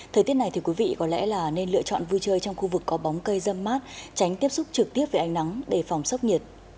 thời tiết này thì quý vị có lẽ là nên lựa chọn vui chơi trong khu vực có bóng cây dâm mát tránh tiếp xúc trực tiếp với ánh nắng để phòng sốc nhiệt